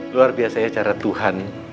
luar biasanya cara tuhan